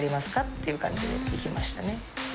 っていう感じで行きましたね。